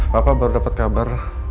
papa baru dapet kabar